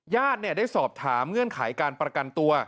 ญาติเนี่ยได้สอบถามเงื่อนไขการประกันตัว